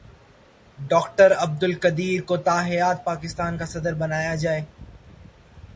doctor Abdul Qadeer Khan کو تا حیات پاکستان کا صدر بنایا جائے